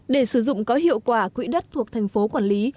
để sử dụng có hiệu quả quỹ đất thuộc thành phố quản lý